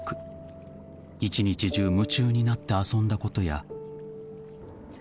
［一日中夢中になって遊んだことや］